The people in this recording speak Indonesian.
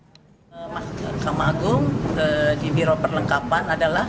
mas maka magung di biro perlengkapan adalah